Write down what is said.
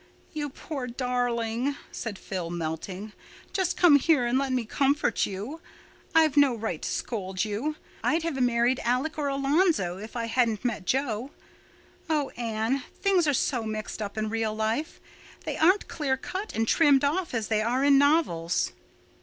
"You poor darling," said Phil, melting. "Just come here and let me comfort you. I've no right to scold you. I'd have married Alec or Alonzo if I hadn't met Jo. Oh, Anne, things are so mixed up in real life. They aren't clear cut and trimmed off, as they are in novels."